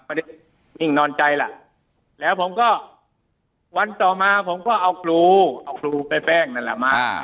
นิ่งนอนใจล่ะแล้วผมก็วันต่อมาผมก็เอาครูเอาครูไปแป้งนั่นแหละมา